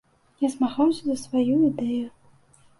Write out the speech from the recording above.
Я змагаўся за сваю ідэю.